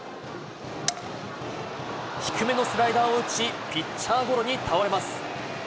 低めのスライダーを打ち、ピッチャーゴロに倒れます。